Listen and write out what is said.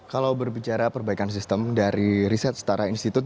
kalau berbicara perbaikan sistem dari riset setara institut